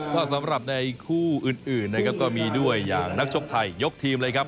ก็สำหรับในคู่อื่นนะครับก็มีด้วยอย่างนักชกไทยยกทีมเลยครับ